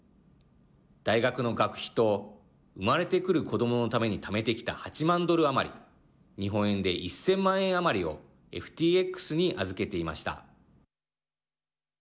大学の学費と生まれてくる子どものためにためてきた８万ドル余り日本円で１０００万円余りをＦＴＸに預けていました。